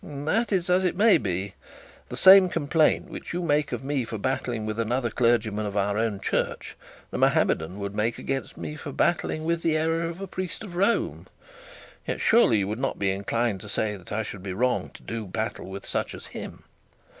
'That's as it may be. The same complaint which you make of me for battling with another clergyman of our own church, the Mahometan would make against me for battling with the error of a priest of Rome. Yet, surely, you would not be inclined to say that I should be wrong to do battle with such as him.